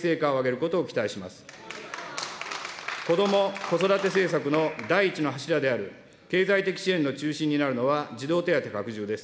こども・子育て政策の第１の柱である経済的支援の中心になるのは児童手当拡充です。